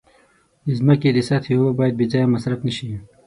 د ځمکې د سطحې اوبه باید بې ځایه مصرف نشي.